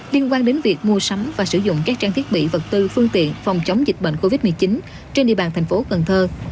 liên quan đến việc mua sắm và sử dụng các trang thiết bị vật tư phương tiện phòng chống dịch bệnh covid một mươi chín trên địa bàn thành phố cần thơ